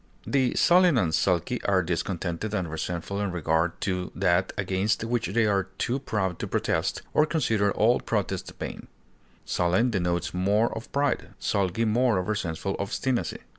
The sullen and sulky are discontented and resentful in regard to that against which they are too proud to protest, or consider all protest vain; sullen denotes more of pride, sulky more of resentful obstinacy.